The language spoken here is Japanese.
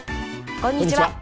こんにちは